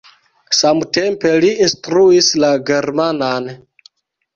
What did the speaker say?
Samtempe li instruis la germanan.